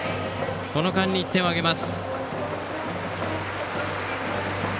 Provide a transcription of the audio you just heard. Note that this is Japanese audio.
この間に１点を挙げます。